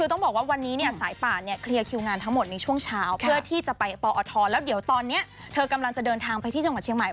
คือต้องบอกว่าวันนี้เนี่ยสายป่านเนี่ยเคลียร์คิวงานทั้งหมดในช่วงเช้าเพื่อที่จะไปปอทแล้วเดี๋ยวตอนนี้เธอกำลังจะเดินทางไปที่จังหวัดเชียงใหม่